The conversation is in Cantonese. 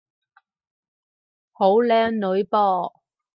好靚女噃